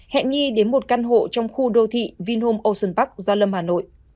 hẹn nghi đến một căn hộ trong khu đô thị vinhome ocean park gia lâm hà nội